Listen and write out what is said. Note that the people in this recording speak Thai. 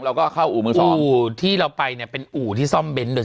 เราก็เข้าอู่มือสองอู่ที่เราไปเนี่ยเป็นอู่ที่ซ่อมเน้นโดย